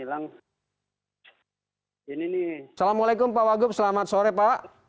assalamualaikum pak wagub selamat sore pak